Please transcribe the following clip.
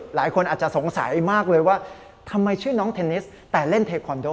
หลายคนอาจจะสงสัยมากเลยว่าทำไมชื่อน้องเทนนิสแต่เล่นเทคอนโด